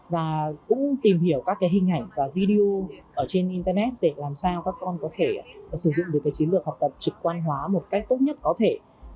và cũng tìm hiểu các hình ảnh và video ở trên internet để làm sao các con có thể sử dụng được cái chiến lược học tập trực quan hóa một cách tốt nhất có thể